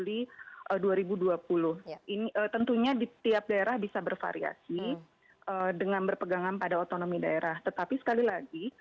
ini tentunya di tiap daerah bisa bervariasi dengan berpegangan pada otonomi daerah tetapi sekali lagi